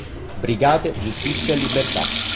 Brigate Giustizia e Libertà